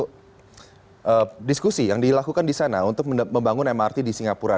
itu diskusi yang dilakukan di sana untuk membangun mrt di singapura